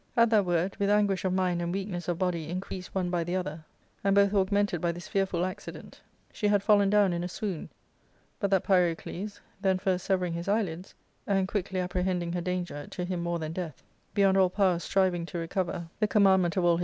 At that word, with anguish of mind and weakness of body increased one by the other, and both augmented by this fearful accident, she had fallen down in a swound, but that Pyrocles, then first severing his eyelids, and quickly appre hending her danger, to him more than death, beyond all powers striving to recover the commandment of all his 410 ARCADIA.